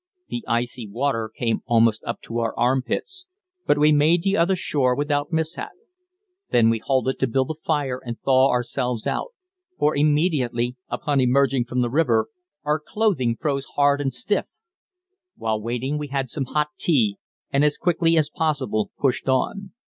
The icy water came almost up to our armpits, but we made the other shore without mishap. There we halted to build a fire and thaw ourselves out; for immediately upon emerging from the river our clothing froze hard and stiff. While waiting we had some hot tea, and as quickly as possible pushed on.